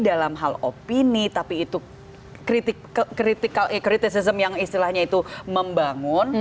adu hal opini tapi itu kritikal eh kritik eh kritisism yang istilahnya itu membangun